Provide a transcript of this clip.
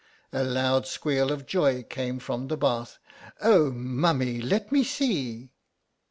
A loud squeal of joy came from the bath. "Oh, Mummy! Let me see!"